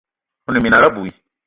One minal abui.